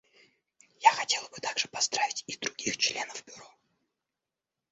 Я хотела бы также поздравить и других членов Бюро.